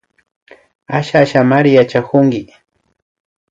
Asha Ashamari yachakunki